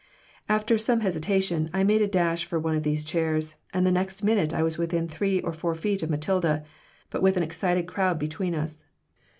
After some hesitation I made a dash for one of these chairs, and the next minute I was within three or four feet from Matilda, but with an excited crowd between us.